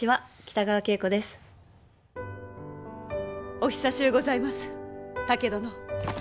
お久しゅうございます竹殿。